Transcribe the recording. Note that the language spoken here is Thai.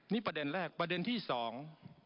นี่ประเด็นแรกประเด็นที่สอง